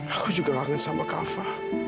aku juga kangen sama kava